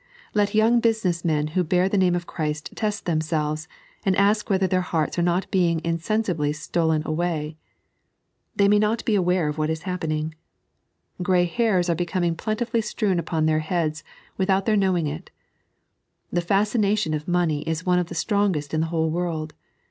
Let young business men who bear the name of Christ test themselvee, and ask whether their hearts are not being insensibly stolen away. Tbey may not be avrare of what is happening. Grey hairs are becoming plentifully strewn upon their heads without their knowing it. The fascination of money is one of the strongest in the whole world.